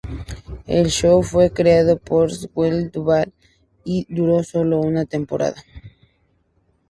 El show fue creado por Shelley Duvall y duró sólo una temporada.